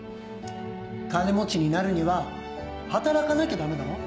金持ちになるには働かなきゃダメだろ？